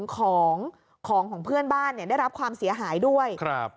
ของของเพื่อนบ้านเนี่ยได้รับความเสียหายด้วยครับ